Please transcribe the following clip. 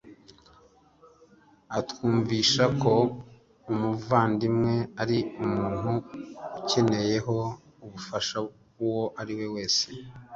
Atwumvisha ko umuvandimwe ari umuntu udukencyeho ubufasha uwo ari we wese